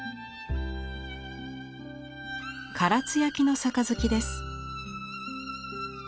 唐津焼の盃です。